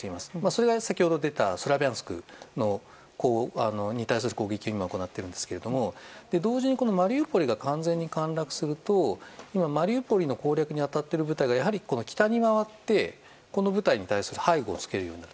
それが先ほど出たスラビャンスクに対する攻撃を行っているんですが同時にマリウポリが陥落すると今、マリウポリの攻略に当たっている部隊が北に回ってこの部隊に対して背後をつけるように。